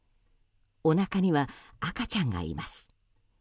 おなかには赤ちゃんがいます。